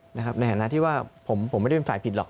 ในฐานะที่ว่าผมไม่ได้เป็นฝ่ายผิดหรอก